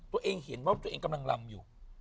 ตัวเองเห็นว่าตัวเองกำลังลำอยู่